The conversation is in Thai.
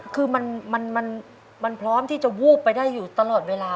คือมันพร้อมที่จะวูบไปได้อยู่ตลอดเวลา